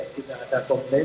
tidak ada komplain